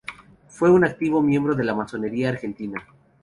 Fue un activo miembro de la masonería argentina.